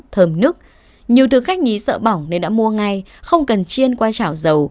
thơm nức nhiều thực khách nhí sợ bỏng nên đã mua ngay không cần chiên qua chảo dầu